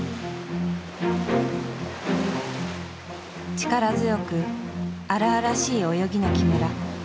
力強く荒々しい泳ぎの木村。